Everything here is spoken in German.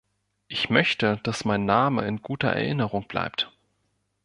Ich möchte, dass mein Name in guter Erinnerung bleibt.